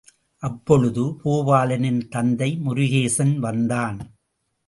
அப்பொழுது பூபாலனின் தந்தை முருகேசன் வந்தான்.